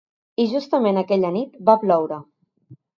I justament aquella nit va ploure.